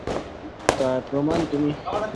তার প্রমাণ তুমি।